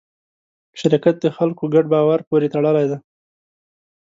شرکت د خلکو ګډ باور پورې تړلی دی.